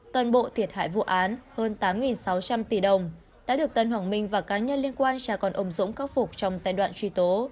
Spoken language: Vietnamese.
toàn bộ thiệt hại vụ án hơn tám sáu trăm linh tỷ đồng đã được tân hoàng minh và cá nhân liên quan cha con ôm rũng khóc phục trong giai đoạn truy tố